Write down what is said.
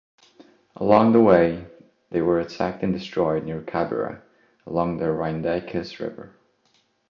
Along the way, they were attacked and destroyed near Cabira along the Rhyndacus River.